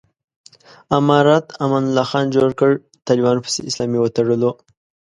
امارت امان الله خان جوړ کړ، طالبانو پسې اسلامي وتړلو.